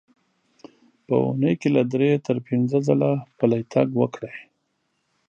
په اوونۍ کې له درې تر پنځه ځله پلی تګ وکړئ.